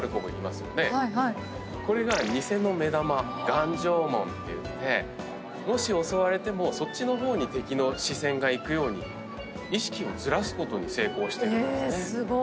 これが偽の目玉眼状紋っていってもし襲われてもそっちの方に敵の視線が行くように意識をずらすことに成功してるんですね。